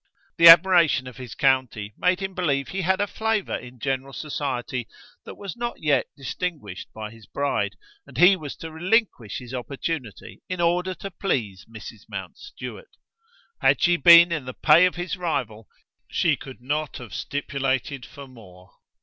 The admiration of his county made him believe he had a flavour in general society that was not yet distinguished by his bride, and he was to relinquish his opportunity in order to please Mrs. Mountstuart! Had she been in the pay of his rival, she could not have stipulated for more.